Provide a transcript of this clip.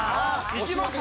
いきます？